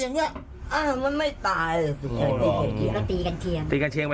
เขาเรียกตีกัญแชงนะ